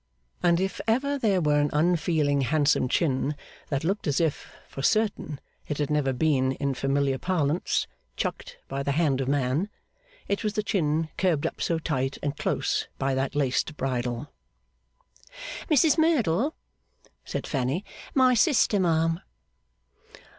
And if ever there were an unfeeling handsome chin that looked as if, for certain, it had never been, in familiar parlance, 'chucked' by the hand of man, it was the chin curbed up so tight and close by that laced bridle. 'Mrs Merdle,' said Fanny. 'My sister, ma'am.